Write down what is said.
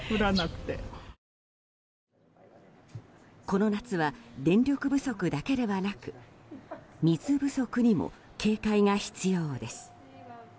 この夏は電力不足だけではなく水不足にも警戒が必要です。